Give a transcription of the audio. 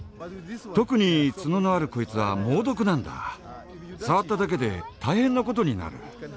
特に角のあるこいつは猛毒なんだ触っただけで大変なことになる。